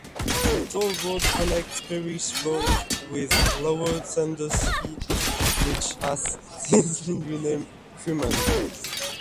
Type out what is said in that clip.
The toll road connected Perrysburg with Lower Sandusky, which has since been renamed Fremont.